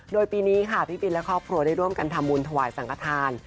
โดยปีนี้ค่ะพี่บินและครอบครัวได้ร่วมกันทำบุญถวายสังขทาน